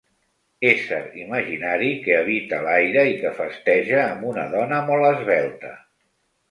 Ésser imaginari que habita l'aire, i que festeja amb una dona molt esvelta.